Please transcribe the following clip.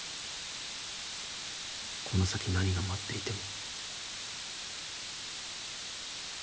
この先何が待っていても。